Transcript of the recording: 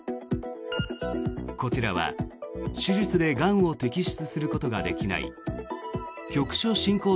こちらは、手術でがんを摘出することができない局所進行